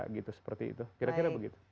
gitu seperti itu kira kira begitu